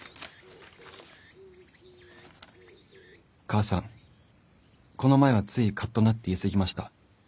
「母さんこの前はついカッとなって言い過ぎました。